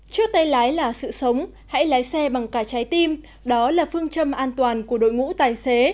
trước tay lái là sự sống hãy lái xe bằng cả trái tim đó là phương châm an toàn của đội ngũ tài xế